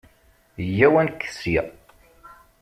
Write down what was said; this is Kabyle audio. Yya-w ad nekket ssya.